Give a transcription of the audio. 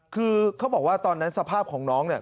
คือเขาบอกว่าตอนนั้นสภาพของน้องเนี่ย